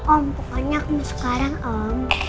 om pokoknya aku sekarang om